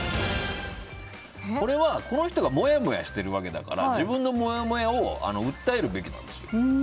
これはこの人がもやもやしてるわけだから自分のもやもやを訴えるべきなんですよ。